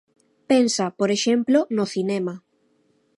Pensa, por exemplo, no cinema.